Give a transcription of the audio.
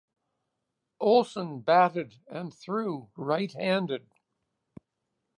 Olson batted and threw right-handed.